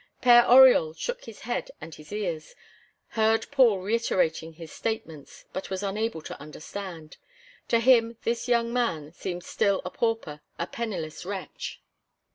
Père Oriol shook his head and his ears, heard Paul reiterating his statements, but was unable to understand. To him this young man seemed still a pauper, a penniless wretch.